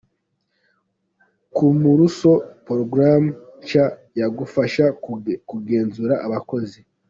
kumulusi porogaramu nshya yagufasha kugenzura abakozi